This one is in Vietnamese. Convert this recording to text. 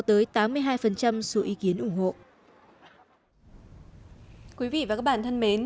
tới tám mươi hai số ý kiến ủng hộ quý vị và các bạn thân mến